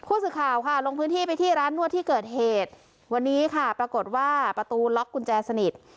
ผู้สื่อข่าวค่ะลงพื้นที่ไปที่ร้านนวดที่เกิดเหตุวันนี้ค่ะปรากฏว่าประตูล็อกกุญแจสนิท